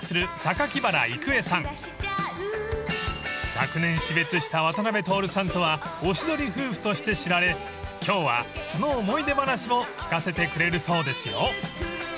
［昨年死別した渡辺徹さんとはおしどり夫婦として知られ今日はその思い出話も聞かせてくれるそうですよ］